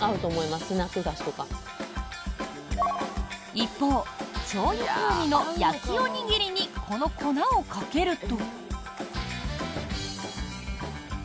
一方しょうゆ風味の焼きおにぎりにこの粉をかけると。